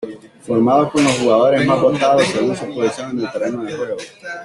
Formado con los jugadores más votados según su posición en el terreno de juego.